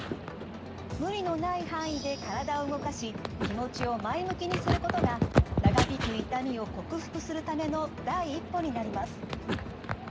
無理のない範囲で体を動かし気持ちを前向きにすることが長引く痛みを克服するための第一歩になります。